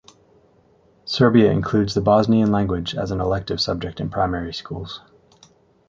Serbia includes the Bosnian language as an elective subject in primary schools.